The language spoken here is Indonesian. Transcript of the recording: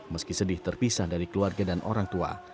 meski sedih terpisah dari keluarga